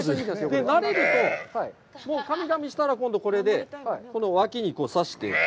なれると、かみかみしたら、今度、これでこの脇に差して。